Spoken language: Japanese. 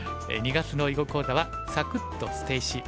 ２月の囲碁講座は「サクッ！と捨て石」。